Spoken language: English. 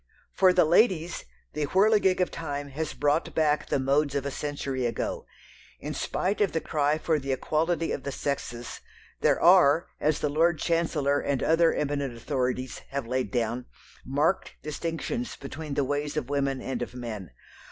For the ladies, the whirligig of time has brought back the modes of a century ago. In spite of the cry for the equality of the sexes, there are, as the Lord Chancellor and other eminent authorities have laid down, marked distinctions between the ways of women and of men.